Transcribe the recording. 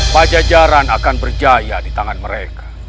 pajajaran akan berjaya di tangan mereka